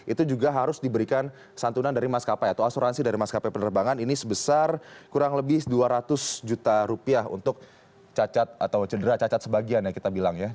itu juga harus diberikan santunan dari maskapai atau asuransi dari maskapai penerbangan ini sebesar kurang lebih dua ratus juta rupiah untuk cacat atau cedera cacat sebagian ya kita bilang ya